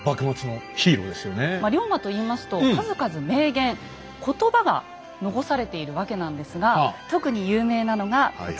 龍馬といいますと数々名言言葉が残されているわけなんですが特に有名なのがこちらですね。